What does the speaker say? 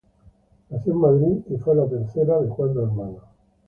Nació en Madrid y fue la tercera de cuatro hermanos.